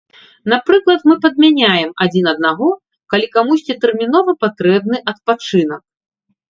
Напрыклад, мы падмяняем адзін аднаго, калі камусьці тэрмінова патрэбны адпачынак.